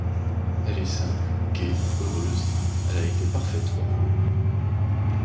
Elle est simple, gaie, heureuse ; elle a été parfaite pour vous.